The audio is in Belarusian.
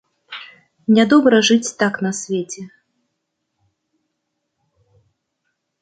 Нядобра жыць так на свеце.